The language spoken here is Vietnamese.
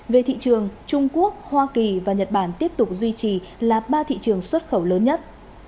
về thị trường trung quốc hoa kỳ và nhật bản tiếp tục duy trì là ba thị trường xuất khẩu lớn nhất